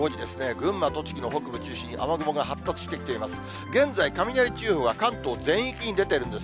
群馬、栃木の北部中心に雨雲が発達してきています。